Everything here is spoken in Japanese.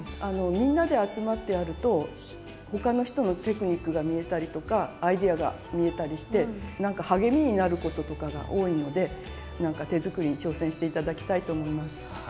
あのみんなで集まってやると他の人のテクニックが見えたりとかアイデアが見えたりしてなんか励みになることとかが多いので手作りに挑戦して頂きたいと思います。